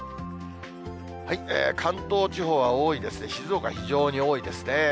関東地方は多いですね、静岡、非常に多いですね。